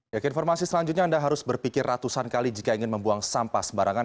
ya ke informasi selanjutnya anda harus berpikir ratusan kali jika ingin membuang sampah sembarangan